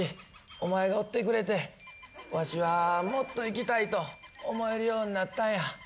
お前がおってくれてわしはもっと生きたいと思えるようになったんや。